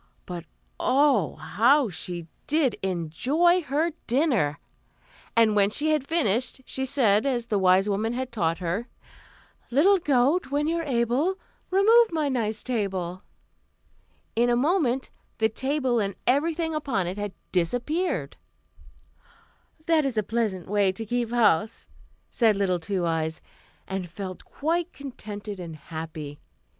But oh, how she did enjoy her dinner! and when she had finished, she said, as the wise woman had taught her: "Little goat, when you're able, Remove my nice table." In a moment, the table and everything upon it had disappeared. "That is a pleasant way to keep house," said little Two Eyes, and felt quite contented and happy.